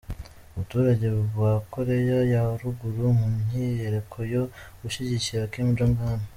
Abaturage ba Koreya ya ruguru mu myiyereko yo gushyigikira Kim Jong Un